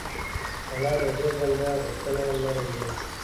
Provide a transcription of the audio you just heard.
الله د عاجز بنده غوښتنه نه ردوي.